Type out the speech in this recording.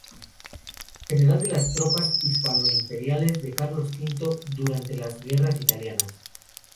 General de las tropas hispano-imperiales de Carlos V durante las Guerras Italianas.